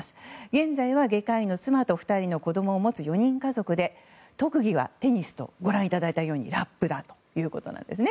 現在は、外科医の妻と２人の子供を持つ４人家族で特技はテニスとご覧いただいたようにラップということなんですね。